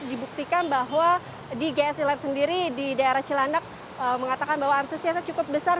dibuktikan bahwa di gsi lab sendiri di daerah cilandak mengatakan bahwa antusiasnya cukup besar